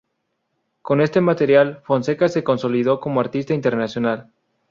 Con este material, Fonseca se consolidó como artista internacional.